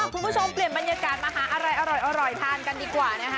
คุณผู้ชมเปลี่ยนบรรยากาศมาหาอะไรอร่อยทานกันดีกว่านะคะ